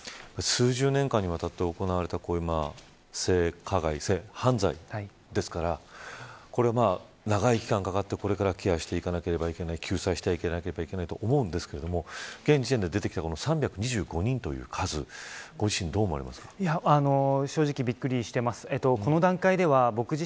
数十年間にわたって行われたこういう性加害、性犯罪ですからこれは長い期間かかってこれからケアしていかなければならない救済していかなければいけないと思うんですけど現時点で出てきた３２５人という数正直びっくりしています。